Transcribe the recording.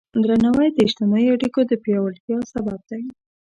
درناوی د اجتماعي اړیکو د پیاوړتیا سبب دی.